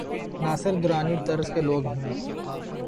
ناصر درانی طرز کے لو گ ہوں۔